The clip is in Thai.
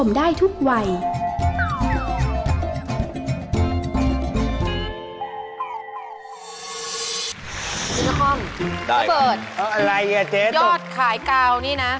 นี่ยอดขายกาวนี่นะ